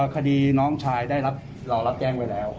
คดีน้องชายได้รอรับแย้งไว้แล้ว